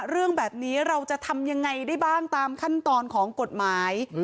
เรื่องแบบนี้เราจะทำยังไงได้บ้างตามขั้นตอนของกฎหมาย